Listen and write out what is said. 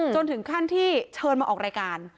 จนถึงขั้นที่เชิญมาออกรายการ